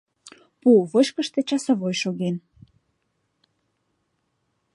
Пу вышкыште часовой шоген.